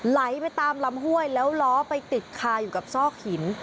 ไหลไปตามลำห้วยแล้วล้อไปติดคาอยู่กับซอกหิน